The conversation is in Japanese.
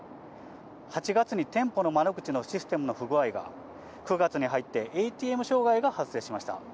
８月に店舗の窓口のシステムの不具合が、９月に入って、ＡＴＭ障害が発生しました。